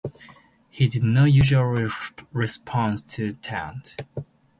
He did not usually respond to taunts.